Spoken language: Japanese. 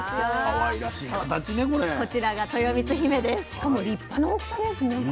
しかも立派な大きさですね。